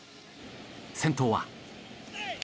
先頭は。